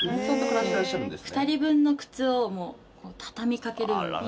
２人分の靴を畳み掛けるように。